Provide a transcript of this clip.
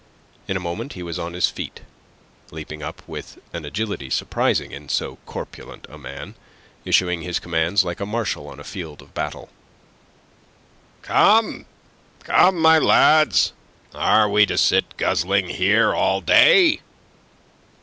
In a moment he was on his feet, leaping up with an agility surprising in so corpulent a man, issuing his commands like a marshal on a field of battle. "Come, come, my lads! Are we to sit guzzling here all day?